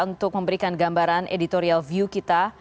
untuk memberikan gambaran editorial view kita